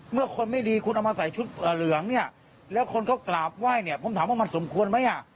เมื่อคนไม่ดีคุณเอามาใส่ชุดเหลืองเนี่ยแล้วคนเขากราบไหว้เนี่ยผมถามว่ามันสมควรไหมอ่ะ